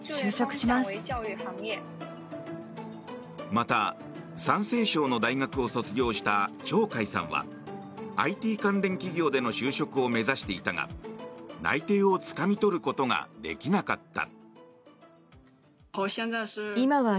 また、山西省の大学を卒業したチョウ・カイさんはＩＴ関連企業での就職を目指していたが内定をつかみ取ることができなかった。